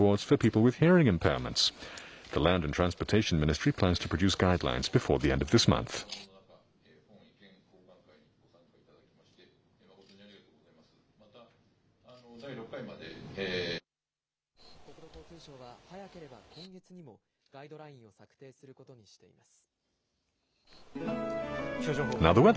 国土交通省は、早ければ今月にもガイドラインを策定することにしています。